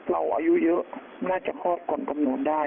เราอายุเยอะน่าจะครอบก่อนกำหนดได้